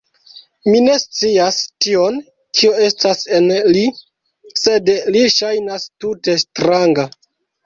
Mi ne scias tion, kio estas en li; sed li ŝajnas tute stranga.